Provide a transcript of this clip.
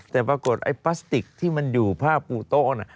แต่ปรากฏไอ้พลาสติกที่มันอยู่ผ้าปูโต๊ะน่ะ